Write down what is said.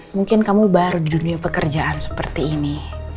mungkin kamu baru di dunia pekerjaan seperti ini